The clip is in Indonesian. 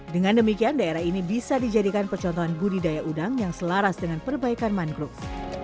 dengan demikian daerah ini bisa dijadikan percontohan budidaya udang yang selaras dengan perbaikan mangrove